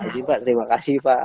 terima kasih pak